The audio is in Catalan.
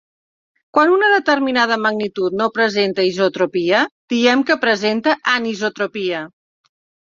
Quan una determinada magnitud no presenta isotropia diem que presenta anisotropia.